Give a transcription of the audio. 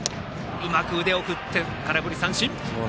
うまく腕を振って空振り三振。